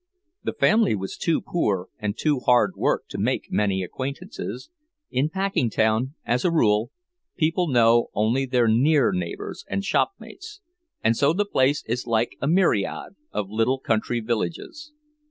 The family was too poor and too hardworked to make many acquaintances; in Packingtown, as a rule, people know only their near neighbors and shopmates, and so the place is like a myriad of little country villages.